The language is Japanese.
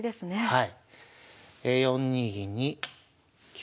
はい。